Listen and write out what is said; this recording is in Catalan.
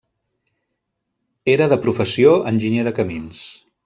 Era de professió enginyer de camins.